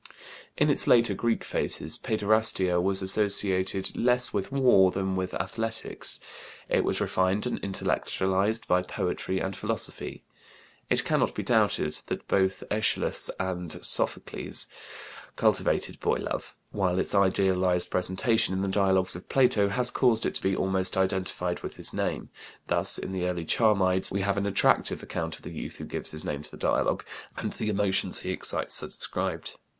In its later Greek phases paiderastia was associated less with war than with athletics; it was refined and intellectualized by poetry and philosophy. It cannot be doubted that both Æschylus and Sophocles cultivated boy love, while its idealized presentation in the dialogues of Plato has caused it to be almost identified with his name; thus in the early Charmides we have an attractive account of the youth who gives his name to the dialogue and the emotions he excites are described.